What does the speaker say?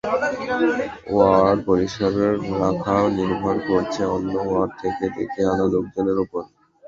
Word পরিষ্কার রাখা নির্ভর করছে অন্য ওয়ার্ড থেকে ডেকে আনা লোকজনের ওপর।